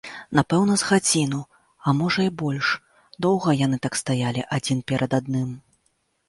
Напэўна, з гадзіну, а можа і больш, доўга яны так стаялі адзін перад адным.